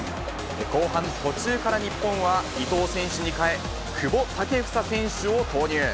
後半、途中から日本は伊東選手に替え、久保建英選手を投入。